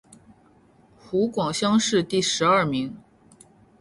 湖广乡试第十二名。